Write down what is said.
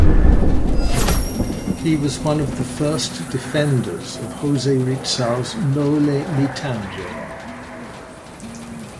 He was one of the first defenders of Jose Rizal's "Noli Me Tangere".